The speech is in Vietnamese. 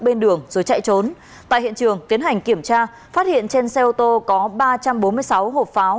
bên đường rồi chạy trốn tại hiện trường tiến hành kiểm tra phát hiện trên xe ô tô có ba trăm bốn mươi sáu hộp pháo